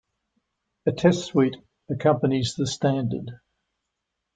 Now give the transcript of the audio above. A test suite accompanies the standard.